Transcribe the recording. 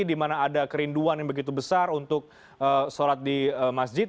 di mana ada kerinduan yang begitu besar untuk sholat di masjid